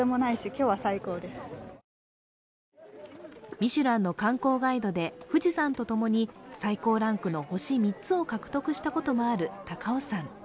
ミシュランの観光ガイドで富士山と共に最高ランクの星３つを獲得したこともある高尾山。